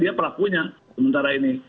dia pelakunya sementara ini